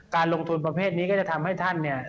การลงทุนประเภทนี้ก็จะทำให้ท่านเนี่ย